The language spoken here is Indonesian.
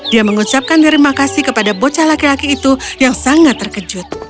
dia mengucapkan terima kasih kepada bocah laki laki itu yang sangat terkejut